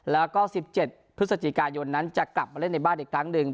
แล้วก็๑๗พฤศจิกายนนั้นจะกลับมาเล่นในบ้านอีกครั้งหนึ่ง